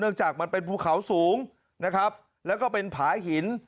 จากมันเป็นภูเขาสูงนะครับแล้วก็เป็นผาหิน